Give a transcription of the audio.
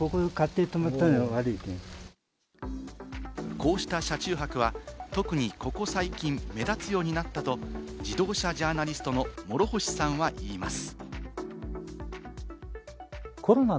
こうした車中泊は特にここ最近、目立つようになったと自動車ジャーナリストの諸星さんは言います。